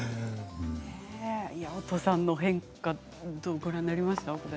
おとさんの変化どうご覧になりました？